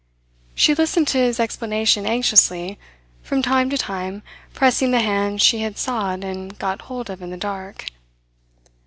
She listened to his explanation anxiously, from time to time pressing the hand she had sought and got hold of in the dark.